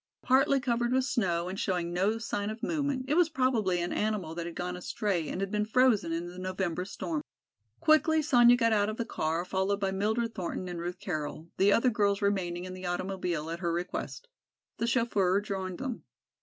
Partly covered with snow and showing no sign of movement it was probably an animal that had gone astray and been frozen in the November storm. Quickly Sonya got out of the car followed by Mildred Thornton and Ruth Carroll, the other girls remaining in the automobile at her request. The chauffeur joined them.